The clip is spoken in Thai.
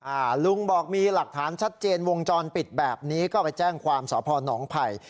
อ่าลุงบอกมีหลักฐานชัดเจนวงจรปิดแบบนี้ก็ไปแจ้งความสพนไผ่